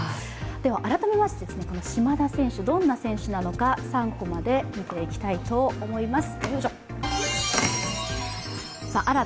改めまして島田選手、どんな選手なのか「３コマ」で見ていきたいと思います。